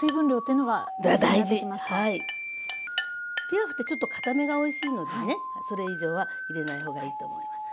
ピラフってちょっとかためがおいしいのでねそれ以上は入れない方がいいと思います。